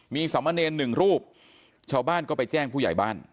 มีสามเณรหนึ่งรูปชาวบ้านก็ไปแจ้งผู้ใหญ่บ้าน